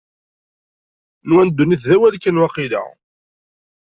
Nwan ddunit d awal kan, waqila?